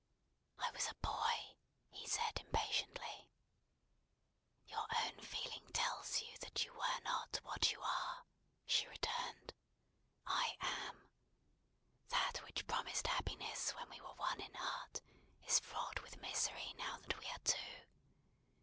"I was a boy," he said impatiently. "Your own feeling tells you that you were not what you are," she returned. "I am. That which promised happiness when we were one in heart, is fraught with misery now that we are two.